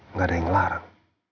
nggak ada yang ngelarang